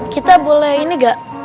kita boleh ini gak